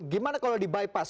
gimana kalau di bypass